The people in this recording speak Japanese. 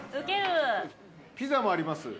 ピザもあります。